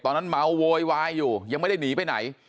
ตอนนั้นเมาโวยวายอยู่ยังไม่ได้หนีไปไหน